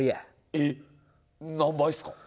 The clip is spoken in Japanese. え、何倍っすか。